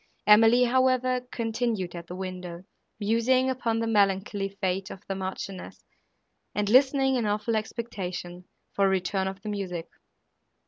Emily, however, continued at the window, musing upon the melancholy fate of the Marchioness and listening, in awful expectation, for a return of the music.